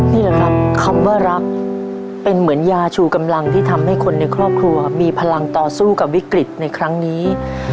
นี่แหละครับคำว่ารักเป็นเหมือนยาชูกำลังที่ทำให้คนในครอบครัวมีพลังต่อสู้กับวิกฤตในครั้งนี้